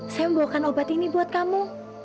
saya membawakan obat ini buat kamu